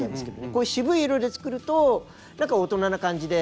こう渋い色で作ると大人な感じで。